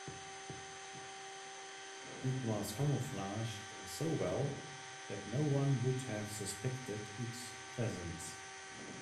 It was camouflaged so well that no one would have suspected its presence.